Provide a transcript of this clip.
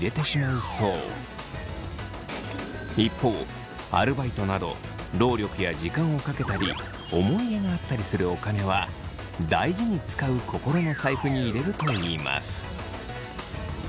一方アルバイトなど労力や時間をかけたり思い入れがあったりするお金は大事につかう心の財布に入れるといいます。